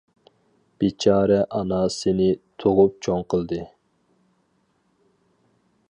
بىچارە ئانا سېنى تۇغۇپ چوڭ قىلدى.